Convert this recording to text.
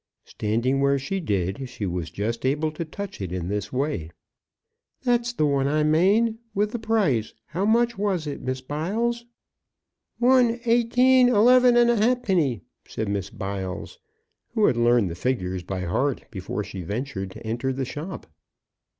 Standing where she did she was just able to touch it in this way. "That's the one I mane, with the price; how much was it, Miss Biles?" "One, eighteen, eleven and a halfpenny," said Miss Biles, who had learned the figures by heart before she ventured to enter the shop.